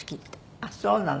あっそうなの。